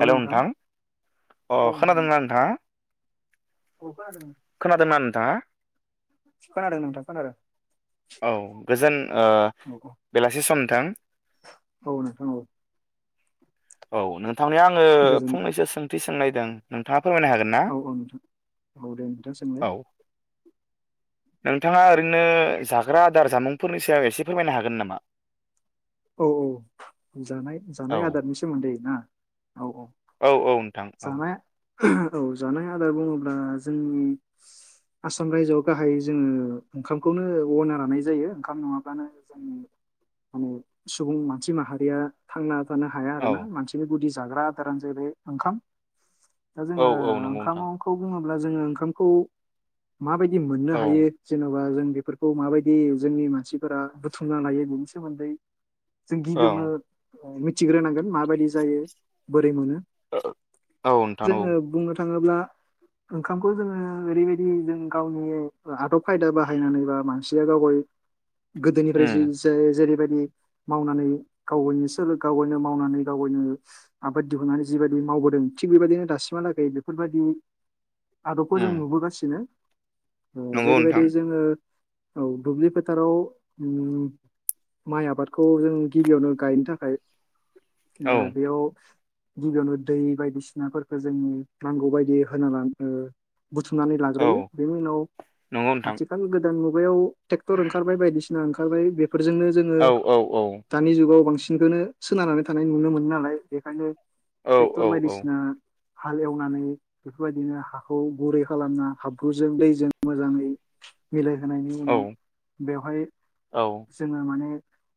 Hello नोंथां अ औ नोंथां खोनादोना नोंथाङा? औ खोनादों खोनादोना नोंथाङा? खोनादों नोंथां खोनादों। औ गोजोन ओ औ बेलासि सम नोंथां । औ नोंथां औ। औ नोंथांनियाव आङो गोजोन फंनैसो सोंथि सोंनायदों नोंथाङा फोरमायनो हागोन ना औ औ नोंथां औ दे नोंथां सोंलाय औ । नोंथाङा ओरैनो जाग्रा आदार जामुंफोरनि सायाव एसे फोरमायनो हागोन नामा? औ औ जानाय औ जानाय आदारनि सो मोनदै ना औ औ औ नोंथां औ जानाय औ जानाय आदार बुङोब्ला जोंनि आसाम रायजोआव गाहाय जोङो ओंखामखौनो गनायना लानाय जायो ओंखाम नङाब्लानो जों माने सुबुं मानसि माहारिया थांना थानो हाया औ आरोना मानसिनि गुदि जाग्रा आदारानो जाहैबाय ओंखाम। दा जों औ औ नंगौ नोंथां ओंखामखौ बुङोब्ला ब्ला जोङो ओंखामखौ माबायदि मोननो औ हायो जेन' बा जों बेफोरखौ माबायदि जोंनि मानसिफोरा बुथुमना लायो बेनि सोमोन्दै जों गिबियावनो औ मिथिग्रोनांगोन माबायदि जायो बोरै मोनो । ओ औ नोंथां नंगौ। थाङोब्ला ओंखामखौ जोङो ओरैबायदि जों गावनि ओ आदब खायदा बाहायनानै बा मानसिया गावगाय [inaudible] गोदोनिफ्राय जि उम जे-जेरैबायदि मावनानै गावगायनि सोलो गावगायनो मावनानै गावगायनो आबाद दिहुननानै जिबायदि मावबो दों थिग बेबायदिनो दासिमहालागै बेफोरबायदि [inaudible] आदबखौ जों उम नुबोगासिनो ओ नंगौ जेरैबायदि नोंथां जोङो औ दुब्लि फोथाराव ओम माइ आबाद । खौ जों गिबियावनो गायनो थाखाय औ ओ बेयाव गिबियावनो दै बायदिसिनाफोरखौ जोंङो नांगौ बायदि होना लानो ओ बुथुमनानै लाग्रोयो औ बेनि उनाव नंगौ नोंथां आथिखाल गोदान मुगायाव ट्रेक्टर ओंखारबाय बायदिसि ना ओंखारबाय बेफोरजोंनो जोङो औ औ औ दानि जुगाव बांसिन । नखौनो सोनारनानै थानाय नुनो मोनो नालाय बेखायनो औ ट्रेक्टर औ औ बायदिसि हाल एवनानै बेफोरबायदिनो हाखौ गुरै खालामना हाब्रुजों दैजों मोजाङै मिलायहोनायनि उनाव बेवहाय जोङो माने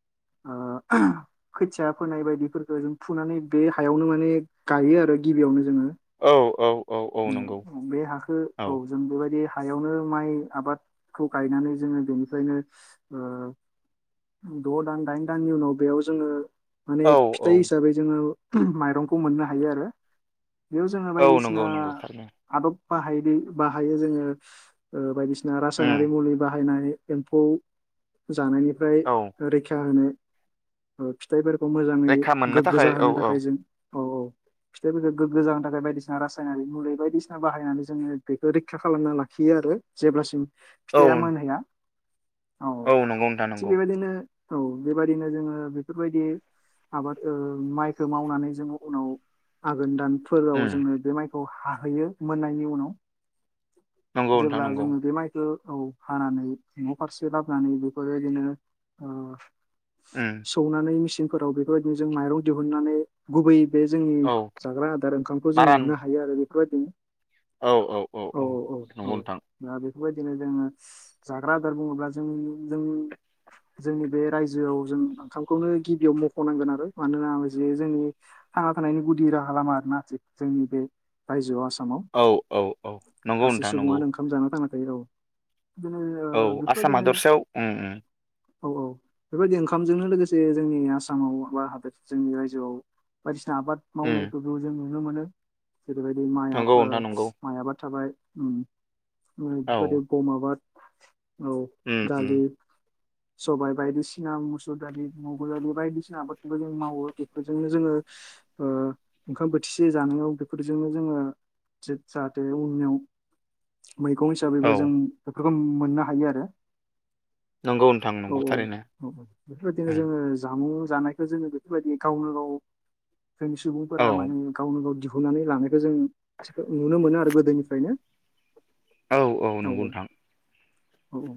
[inaudible] [inaudible] खोथिया फोनाय बायदिफोरखो जों फुनानै बे हायावनो माने गायो आरो गिबियावनो जोङो औ औ औ औ नंगौ । बे हाखौ औ जों बेबायदि हायावनो माइ आबादखौ गायनानै जोङो बेनिफ्रायनो ओ द' दान दाइन दाननि उनाव बेयाव जोङो माने औ फिथाइ औ हिसाबै जोङो माइरंखौ मोननो हायो आरो बेयाव जोङो औ बायदिसिना नंगौ नंगौ थारैनो आदब बाहायदि बाहायो जोङो ओ बायदिसिना रासायनारि उम मुलि बाहायनाय एम्फौ जानायनिफ्राय औ रैखा होनो ओ फिथाइफोरखौ मोजाङै रैखा मोननो गोग्गो थाखाय औ जाहोनो औ थाखाय जों [inaudible] फिथाइफोरखो गोग्गो जानो थाखाय बायदिसिना रासायनारि मुलि बायदिसिना बाहायनानै जोङो बेखौ रैखा खालामना लाखियो आरो जेब्लासिम औ फिथाइआ मोनहैया । औ नंगौ नोंथां थिग नंगौ बेबायदिनो औ बेबायदिनो जोङो बेफोरबायदि आबाद ओ माइखोमावनानै जोङो उनाव आघोन दान फोराव उम जोङो बे माइखौ हाहैयो मोननायनि उनाव नंगौ । नोंथां जेब्ला नंगौ जोङो बे माइखो औ हानानै न' फारसे लाबोनानै बेफोरबायदिनो ओ उम सौनानै मेचिनफोराव बेफोरबायदिनो जों माइरं दिहुननानै गुबै बे जोंनि औ जाग्रा आदार ओंखामखौ जों मारान मोननो हायो आरो बेफोरबायदिनो औ औ औ औ नंगौ नोंथां । बेबायदिनो जोङो जाग्रा आदार बुङोब्ला जों जों जोंनि बे रायजोआव जों ओंखामखौनो गिबियाव मख'नांगोन आरो मानोना जे जोंनि थांना थानायनि गुदि राहा लामा आरोना जोंनि बे रायजोआव आसाम आसामाव औ औ औ नंगौ गासै नोंथां नंगौ सुबुङानो ओंखाम जाना थांनााखै औ बिदिनो औ बिफोर आसाम बादिनो हादरसायाव उम उम औ औ बेबायदि ओंखामजोंनो लोगोसे जोंनि आसामाव बा हादोर जोंनि रायजोआव बायदि आबाद उम मावनायखौबो जों नुनो मोनो जेरैबायदि माइ नंगौ नोंथां आबाद नंगौ माइ आबाद थाबाय औ बेबायदि गम आबाद औ उम उम दालि सबायाइ बायदिसिना मुसुर दालि मुग दालि बायदिसिना आबादबो जों मावो बेफोरजोंनो जोङो ओ ओंखाम बोथिसे जानायाव बेफोरजोंनो जोङो [unintelligible] मैगं हिसाबैबो औ जों बेफोरखौ मोननो हायो आरो नंगौ नोंथां औ औ नंगौ थारैनो औ औ बेफोरबायदिनो उम जोङो जामुं जानायखौ जोङो बेफोरबायदि गावनो गाव जोंनि औ सुबुंफोरा माने गावनो गाव दिहुनानै लानायखौ जों थि नुनो मोनो आरो गोदोनिफ्रायनो औ औ नंगौ नोंथां औ औ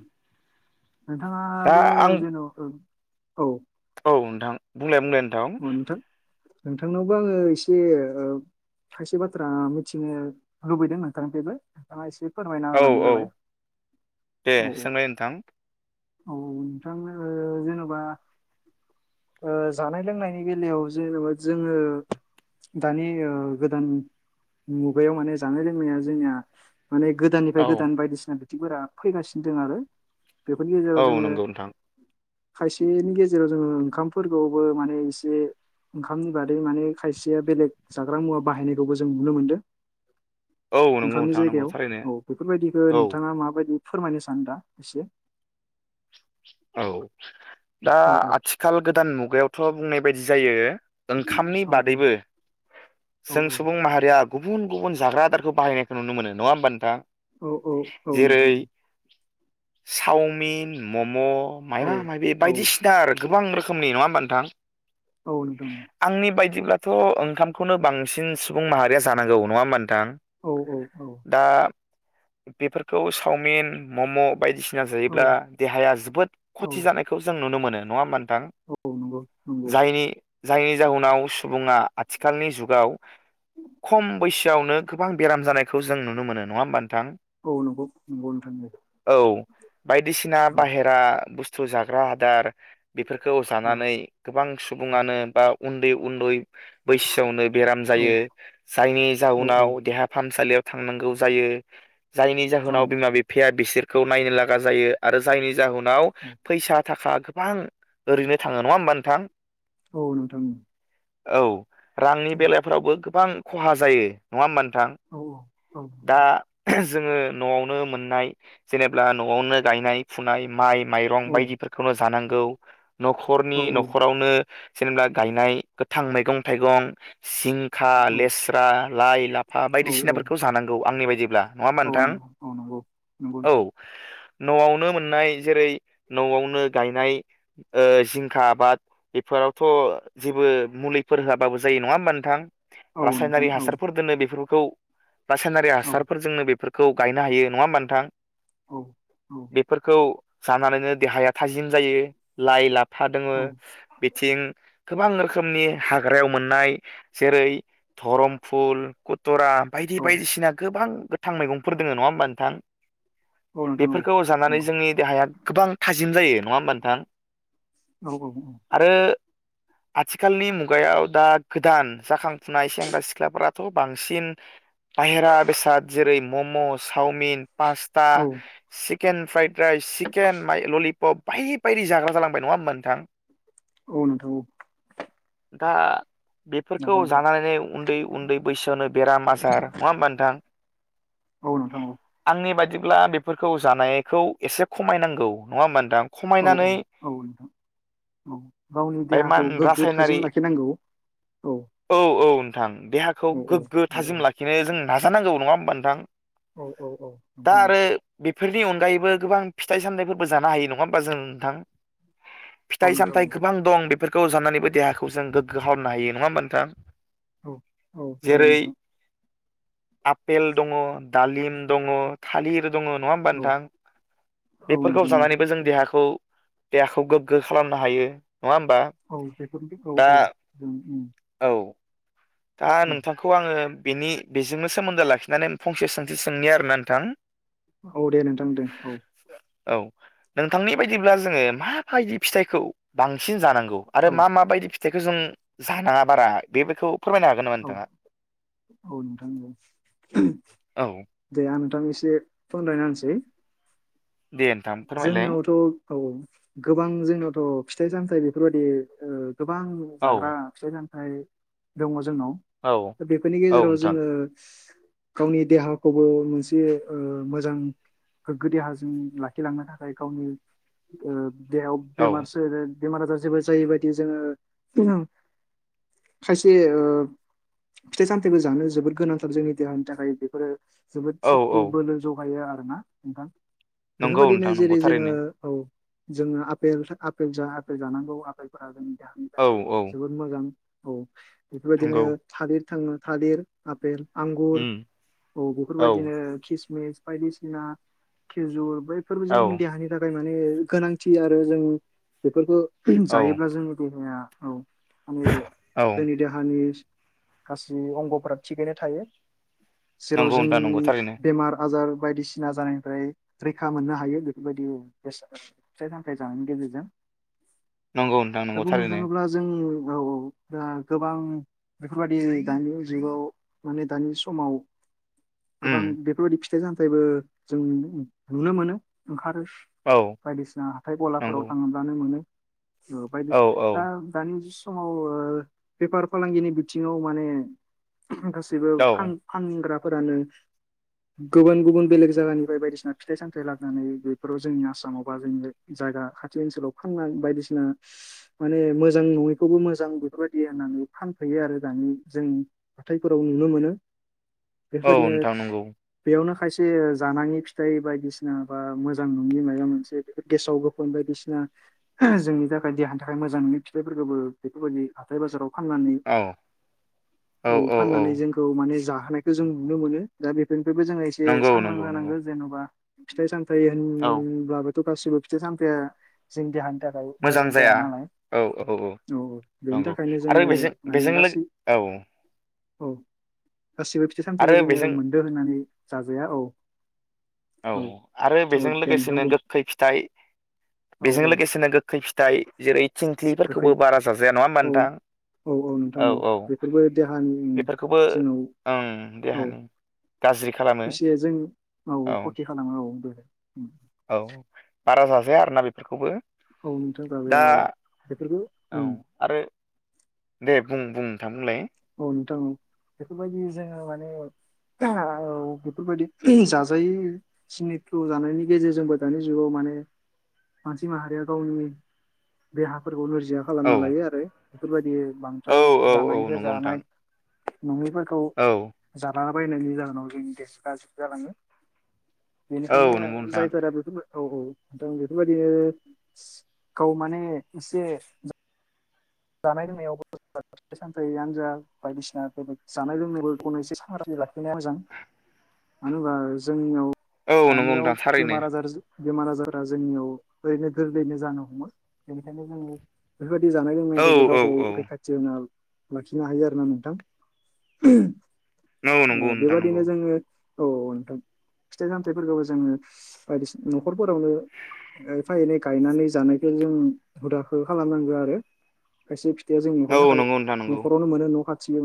दा नोंथाङाबो आं जेन' औ औ नोंथां बुंलाय बुंलाय अ नोंथां नोंथांनावबो आङो एसे ओ खायसे बाथ्रा मिथिनो लुबैदों नोंथांनिफ्रायबो नोंथाङा एसे फोरमायना औ होबानो औ जाबाय दे औ औ सोंलाय नोंथां औ औ नोंथां जेनेबा ओ जानाय लोंनायनि बेलायाव जेनेबा जोङो दानि ओ गोदान मुगायाव माने जानाय लोंनाया जोंनिया माने गोदाननिफ्राय औ गोदान बायदिसिना बिथिंफोरा फैगासिनो दं आरो बेफोरनि गेजेराव औ जोङो नंगौ नोंथां खायसेनि गेजेराव जोङो ओंखामफोरखौबो माने एसे ओंखामनि बादै माने खायसेया बेलेग जाग्रा मुवा बाहायनायखौबो जों नुनो मोनदों औ नंगौ ओंखामनि नोंथां नंगौ जायगायाव थारैनो औ बेफोरबायदिखौ औ नोंथाङा माबायदि फोरमायनो सानो दा एसे औ दा औ औ आथिखाल गोदान मुगायावथ' बुंनाय बायदि जायो ओंखामनि औ बादैबो औ जों सुबुं माहारिया गुबुन गुबुन जाग्रा आदारखौ बाहायनायखौ नुनो मोन नङा होमबा नोंथां औ औ औ जेरै नोंथां चावमिन मम' औ माबा माबि औ बायदिसिना आरो गोबां रोखोम- खोमनि नङाहोनबा नोंथां औ नोंथां बिदिब्लाथ' ओंखामखौनो बांसिन सुबुं माहारिया जानांगौ नङा होनबा नोंथां औ औ दा बेफोरखौ चावमिन मम' बायदिसि सिना औ जायोब्ला देहाया जोबोद औ खथि जानायखौ जों नुनो मोनो नङा होनबा औ नंगौ नंगौ जायनि जाहोनाव सुबुङा आथिखालनि जुगाव खम बैसोआवनो गोबां बेराम जानाय- खौ जों नुनो मोन नंआ होनबा नोंथां औ नंगौ नंगौ नोंथां औ बायदिसिना औ बेराद बुसथु जाग्रा आदार बेफोरखौ औ जानानै गोबां सुबुङानो बा उन्दै उन्दै बैसोआवनो बेराम औ जायो जायनि औ जाउनाव देहा फाहामसालियाव थांनांगौ जायो जायनि औ जाहोनाव बिमा बिफाया बिसोरखौ नायनो लागा जायो आरो जायनि जाहोनाव औ फैसा थाखा गोबां ओरैनो थांङो नङा होमबा नोंथां औ नोंथां उम औ रांनि बेलाफोरावबो गोबां खहा जायो नंङा होमबा नों नोंथां औ औ दा जोंङो न'आवनो मोननाय जेनेब्ला न'आवनो गायनाय फुनाय माइ माइरं बायदिफोरखौनो जानांगौ न'खरनि औ न'खरावनो जेनेबा गायनाय गोथां मैगं थाइगं जिंखा औ लेस्रा लाइ लाफा औ औ बायदिसिनाफोरखौ जानांगौ आंनि बायदिब्ला । नंङा होमबा औ नोंथां नंगौ औ नंगौ नंगौ औ नोंथां न'आवनो मोन नाय जेरै न'आवनो गायनाय जिंखा आबाद बेफोरावथ' जेबो मुलिफोर होआबाबो जायो नंङा होमबा नोंथां औ नोंथां रासायनारि औ हासारफोर दोनो बेफोरखौ रासायनारि औ हासारफोरजोंनो बेफोर खौ गायनो हायो नङा होमबा नोंथां औ औ फोरखौ जानानैनो देहाया थाजिम जायो लाइ ला फा दोङो औ बिथिं गोबां रोखोमनि हाग्रायाव मोननाय जेरै धरम फुल थरा बायदि औ बायदिसिना गोबां गोथां मैगंफोर दोङो नङा होमबा नोंथां औ नोंथां औ बेफोरखौ जानानै नंगौ जोंनि देहाया गोबां थाजिम जायो नंङा होमबा नोंथां औ औ औ [inaudible] आथिखालनि मुगायाव दा गोदान जाखांफुनाय सेंग्रा सिख्लाफोराथ' बांसिन बाहेरा बेसाद जेरै मम' चावमिन पास्ता औ चिकेन फ्राइद फ्राइद सिकेन माइ ललिपप बायदि बायदि जाग्रा जालांबाय नंङा होमबा नोंथां औ नोंथां औ दा। बेफोरखौ नंगौ नोंथां जानानै उन्दै उन्दै बैसोआवनो बेराम आजार नङा होमबा नोंथां? औ नोंथां औ आंनि बायदि ब्ला बेफोरखौ जानायखौ एसे खमायनांगौ नंङा होमबा नोंथां? औ औ खमायनानै औ नोंथां औ गावनि बाय मा देहाखौ गोग्गो रासायनारि थाजिम लाखिनांगौ औ। नोंथां देहाखौ औ औ गोग्गो औ थाजिम लाखिनो जों नाजानांगौ नंङा होमबा नोंथां? औ औ औ नोंथां। फोरनि अनगायैबो गोबां फिथाइ सामथायफोरबो जानो हायो नंङा होमबा जों नोंथां? औ फिथाइ नोंथां सामथाय गोबां दं बेफोर खौ जानानैबो देहाखौ जों गोग्गो खालामनो हायो नङा होमबा नोंथां? औ औ औ जेरै नोंथां। आपेल दंङ, दालिम दङ, थालिर दङ नङा होमबा औ नोंथां? औ बेफोरखौ नोंथां औ जानानैबो जों देहाखौ देहाखौ गोग्गो खालामनो हायो। होमबा औ बेफोरदि औ दा औ उम उम। औ। दा औ नोंथांखौ आङो बेनि बेजोंनो सोमोन्दो लाखिनानै फंसे सोंथि सोंनि आरोना नोंथां। औ दे नोंथां दे औ। औ, नोंथांनि बायदिब्ला जोंङो माबायदि फिथाइखौ बांसिन जानां गौ आरो औ मा मा बायदि फिथाइखौ जों जानाङा बारा बेफोरखौ फोरमायनो हागोन नामा औ नोंथांङा? औ नोंथां औ, औ दे आं नोंथांनो एसे फोनरायना होनोसै। दे नोंथां फोरमायलाय। औ औ, गोबां जोंनावथ' फिथाइ सामथाइ बेफोरबायदि ओ गोबां औ जाग्रा फिथाय सामथाय दङ जोंनाव औ दा बेफोरनि औ गेजेराव नोंथां जोङो गावनि देहाखौबो मोनसे ओ मोजां गोग्गो देहाजों ला खिलांनो थाखाय गावनि ओ देहायाव बेमार औ सो रो बेमार आजार जेबो जायि बायदि जोङो खायसे ओ फिथाइ सामथायाइबो जानो जोबोद गोनांथार जोंनि देहानि थाखाय बेफोरो जोबोद औ सक्ति औ बोलो जगायो आरो ना नोंथां? नंगौ बेफोरबायदिनो नोंथां नंगौ जेरै जोङो। थारैनो औ। जोङोे आपेल आपेल जों आपेल जानांगौ आफेलफोरा जोंनि देहानि औ थाखाय औ जोबोद मोजां। औ, बेफोरबायदिनो नंगौ थालिर थाङो थालिर, आपेल, आंगुर उम औ, बेफोरबायदिनो खिसमिस बायदिसिना खिजुर बैफोरबो जों औ देहानि थाखाय माने गोनांथि आरो जों बेफोरखौ औ जायोब्ला जोंनि देहाया औ माने औ जोंनि देहानि गाससि अंगफोरा थिगैनो थायो। जेराव नंगौ जों नोंथां नंगौ थारैनो बेमार आजार बायदिसिना जानायनिफ्राय रै खा मोननो हायो बेफोरबायदि औ बेसाद फिथाइ सामथायाइ जानायनि गेजेरजों। नंगौ नथां दा नंगौ बुंनो थारैनो। थाङोब्ला जों औ [unintelligible] दा गोबां बेफोरबायदि दानि जुगाव माने दानि समाव उम गोबां बेफोरबायदि फिथाइ सामथाइबो जों नु नुनो मोनो, ओंखारो। औ बायदिसिना हाथाय गलाफोराव नंगौ थाङोब्लानो मोनो। औ बादिसिना। औ दानि समाव ओ बेफार फालांगिनि बिथिङाव माने गासैबो औ फान फानग्राफोरानो गुबुन-गुबुन बेलेग जायगानिफ्राय बायदिसिना फिथाइ-सामथाइ लाबोनानै बेफोराव जोंनि आसामाव बा जोंनि जायगा खाथि ओनसोलाव फांना बायदिसिना माने मोजां नङिखौबो मोजां बेफोरबायदि होननानै फानफैयो आरो दानि जोंनि हाथाय फोराव नुनो मोनो औ बेफोरबायदिनो नोंथां नंगौ बेयावनो खायसे जानाङि फिथाइ बायदिसिना बा मोजां नङि माबा मोनसे बेफोर गेसाव-गोफोन बायदिसिना। जोंनि थाखाय थाखाय देहानि थाखाय मोजां नोंङै फिथाइफोरखौबो। बेफोरबायदि हाथाय बाजाराव फाननानै औ औ फाननानैजोंखौ माने जा खौ जों नुनो मोनो दा बेफोरनिफ्रायबो जो एसे नंगौ सांग्रां नंगौ नंगौ जानांगौ जेन'बा फिथाइ साम जायो औ होनब्लाबोथ' गासिबो फिथाइ-सामथाइआ जोंनि देहानि थाखाय मोजां जाया नालाय। औ-औ-औ औ बेनि नंगौ थाखायनो आरो जोङो माने बेजों-बेजों लोगो गासै औ। औ गासिबो फिथाइ सामथायाइखौ आरो जोङो बेजों मोनदो होननानै जाजाया। औ। औ आरो औ बेजों दे नोंथां लोगोसेनो बुं गोखै फिथाइ औ बेजों औ लोगोसेनो गोखै फिथाइ। जेरै थिंख्लिफोरखौबो बारा जाजाया नङा होमबा नोंथां? औ-औ नोंथां औ बेफोरबो देहानि बेफोरखौबो जोंनाव। ओं औ। देहानि गाज्रि खालामो इसे जों औ फति खालामो औ । औ बारा जाजाया आरो ना? बेफोरखौबो औ नोंथां दा जाजाया औ बेफोरखौ औ उम आरो दे बुं-बुं नोंथां बुंलाय। औ नोंथां औ बेफोरबायदि जोङो माने औ बेफोरबायदि जाजायै जिनिदखौ जानायनि गेजेरजोंबो दानि जुगाव मान मानसि माहारिया गावनि देहाफोरखौ नोजि या खालामना औ लायो आरो बेफोरबायदि बांद्राय औ औ औ जानायखौ नंगौ नोंथां जानाय, नङैफोरखौ औ जालालाबायनायनि जाहोनाव जोंनि देहाया गाज्रि जालाङो। औ बेनिखायनो नंगौ नोंथां जायफोरा बेखौ। औ-औ नोथां बेफोरबायदि गाव माने एसे जानाय लोंनायावबो फिथाइ - सामथाइ आनोजा बायदिसिना बेबाय जानाय लोंनायावबो जेन एसे सांग्रां जा। नाया मोजां मानो होनबा जोंनियाव औ नंगौ दानियाव नोंथां थारैनो बेमार आजार बेमार आजारा जोंनियाव ओरैनो गोरलैयैनो जानो हमो बेनिखायनो जोंङो बेफोरबायदि जानाय औ बेबो औ गावखौ औ रैखाथि होना लाखिनो हायो आरो ना नोंथां। नंगौ औ नोंथां नंगौ बेबादिनो जोंङो औ नोंथां फिथाइ सामथाइफोरखौबो जोंङो बायदिसिना नखरफोरावनो एफा एनै गायनानै जानायखौ जों हुदाखौ खालामनांगो आरो खायसे फिथाइया जोंनि नखरनि औ थाखाय नंगौ नोंथां नंगौ नखरावनो मोनो न खाथिनि